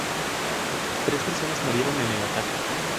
Tres personas murieron en el ataque.